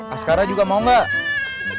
askara juga mau gak